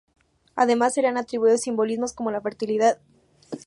Además se le han atribuido simbolismos como la fertilidad.